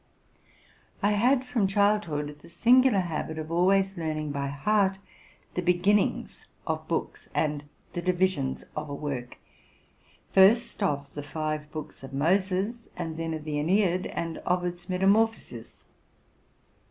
I had from childhood the singular habit of always learning hy heart the beginnings of books, and the divisions of a work, first of the five books of Moses, and then of the '+ Aineid "' and Ovid's '* Metamorphoses.